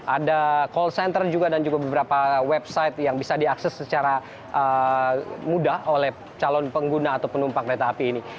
ada call center juga dan juga beberapa website yang bisa diakses secara mudah oleh calon pengguna atau penumpang kereta api ini